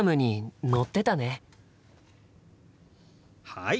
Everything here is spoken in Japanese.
はい！